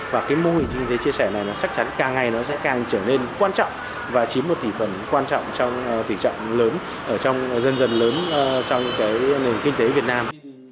và cái mô hình kinh tế chia sẻ này nó chắc chắn càng ngày nó sẽ càng trở nên quan trọng và chiếm một tỷ phần quan trọng trong tỉ trọng lớn ở trong dần dần lớn trong cái nền kinh tế việt nam